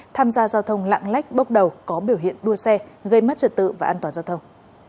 tham gia giao thông lạng lách bốc đầu có biểu hiện đua xe gây mất trật tự và an toàn giao thông